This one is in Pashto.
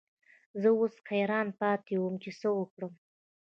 زه اوس حیران پاتې وم چې څه وکړم.